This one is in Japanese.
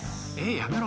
やめろ。